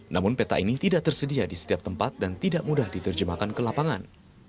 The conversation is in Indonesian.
namun peta ini tidak tersedia di setiap tempat dan tidak mudah diterjemahkan ke lapangan